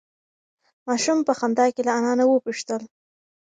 ماشوم په خندا کې له انا نه وپوښتل.